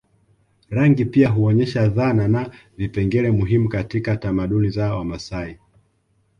Rangi pia huonyesha dhana na vipengele muhimu katika tamaduni za Wamasai